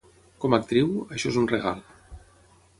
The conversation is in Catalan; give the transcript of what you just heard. Com a actriu, això és un regal.